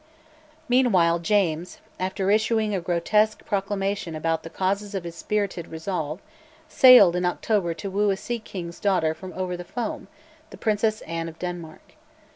Meanwhile James, after issuing a grotesque proclamation about the causes of his spirited resolve, sailed in October to woo a sea king's daughter over the foam, the Princess Anne of Denmark.